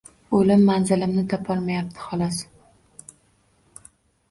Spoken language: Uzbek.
Oʻlim manzilimni topolmayapti, xolos.